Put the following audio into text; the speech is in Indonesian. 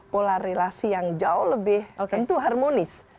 pola relasi yang jauh lebih tentu harmonis